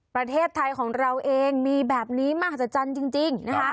ประเทศไทยของเราเองมีแบบนี้มากจัดจันทร์จริง